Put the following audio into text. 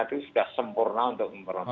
itu sudah sempurna untuk memperoleh